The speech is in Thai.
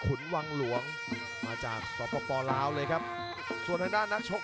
คุณผู้หญิงถามรายการภารกิจรายการที่๑๐๒จากรายการใหว้ที่มี๖๙ความเก่ง